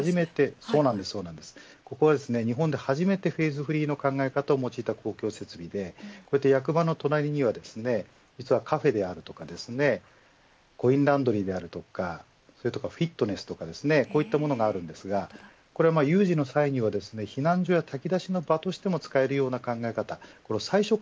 こちらは、日本で初めてフェーズフリーの考え方を用いた公共設備で役場の隣には実はカフェであるとかコインランドリーであるとかフィットネスとかですねこういったものがあるんですがこれは有事の際には避難所や炊き出しの場としても使えるような考え方